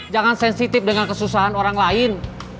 jangan sensitif dengan kesusahan orang lain